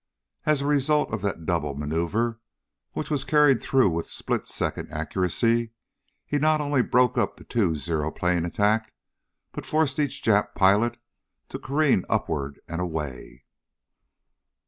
As a result of that double maneuver, which was carried through with split second accuracy, he not only broke up the two Zero plane attack, but forced each Jap pilot to careen upward and away.